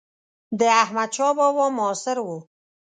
د احمدشاه بابا معاصر و.